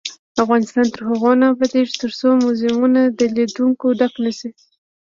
افغانستان تر هغو نه ابادیږي، ترڅو موزیمونه د لیدونکو ډک نشي.